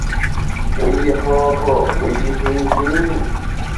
Wu yi han han wu yi hin hin ?